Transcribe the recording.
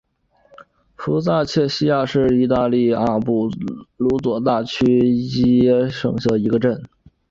福萨切西亚是意大利阿布鲁佐大区基耶蒂省的一个镇。